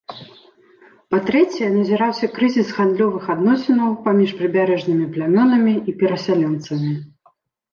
Па-трэцяе, назіраўся крызіс гандлёвых адносінаў паміж прыбярэжнымі плямёнамі і перасяленцамі.